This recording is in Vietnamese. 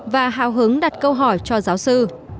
và hào hứng đặt câu hỏi cho giáo sư